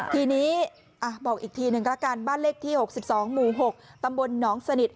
ทีนี้บอกอีกทีหนึ่งแล้วกันบ้านเลขที่๖๒หมู่๖ตำบลหนองสนิท